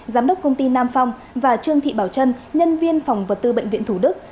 giám đốc công ty nam phong và trương thị bảo trân nhân viên phòng vật tư bệnh viện thủ đức